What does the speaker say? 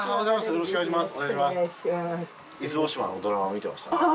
よろしくお願いします